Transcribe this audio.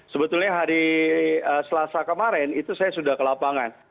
sebetulnya hari selasa kemarin itu saya sudah ke lapangan